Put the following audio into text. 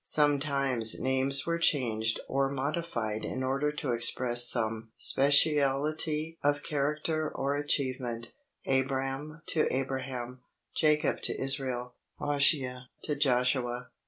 Sometimes names were changed or modified in order to express some speciality of character or achievement Abram to Abraham, Jacob to Israel, Hoshea to Joshua.